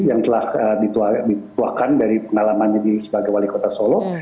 yang telah dituahkan dari pengalamannya sebagai wali kota solo